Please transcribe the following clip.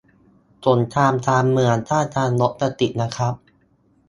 สงครามกลางเมือง ท่าทางรถจะติดนะครับ